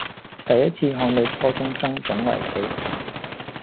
第一次看到初中生懂圍棋